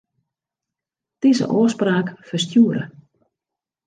Dizze ôfspraak ferstjoere.